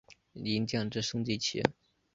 银将之升级棋。